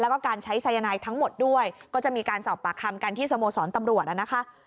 แล้วก็การใช้สายนายทั้งหมดด้วยก็จะมีการสอบปากคำกันที่สโมสรตำรวจนะคะ